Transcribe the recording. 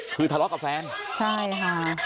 คือทะเลาะกับแฟนใช่ค่ะ